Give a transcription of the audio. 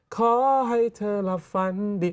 ขอให้เธอหลับฝันดี